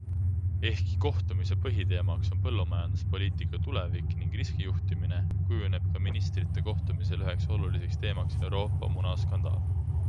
Ehkki kohtumise põhiteemaks on põllumajanduspoliitika tulevik ning riskijuhtimine, kujuneb ka ministrite kohtumisel üheks oluliseks teemaks Euroopa munaskandaal.